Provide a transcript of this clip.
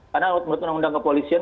karena menurut undang undang kepolisian